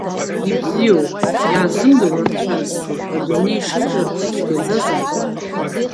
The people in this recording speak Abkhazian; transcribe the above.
Ибзиоуп, иаҳзымдыруа рацәаз, адунеи шеиҿартәу цәгьаӡазаап!